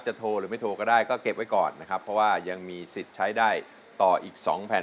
โทรหรือไม่โทรก็ได้ก็เก็บไว้ก่อนนะครับเพราะว่ายังมีสิทธิ์ใช้ได้ต่ออีกสองแผ่น